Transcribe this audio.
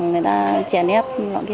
người ta chè nép